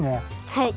はい。